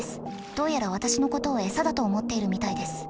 どうやら私のことを餌だと思っているみたいです。